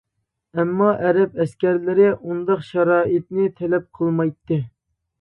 ئەمما ئەرەب ئەسكەرلىرى ئۇنداق شارائىتنى تەلەپ قىلمايتتى.